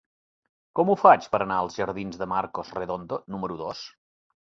Com ho faig per anar als jardins de Marcos Redondo número dos?